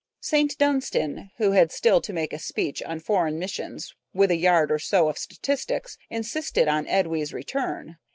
St. Dunstan, who had still to make a speech on Foreign Missions with a yard or so of statistics, insisted on Edwy's return.